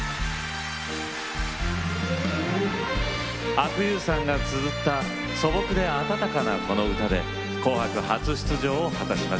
阿久悠さんがつづった素朴で温かなこの歌で「紅白」初出場を果たしました。